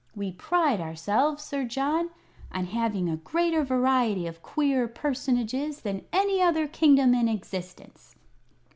We pride ourselves, Sir John, on having a greater variety of queer personages than any other kingdom in existence."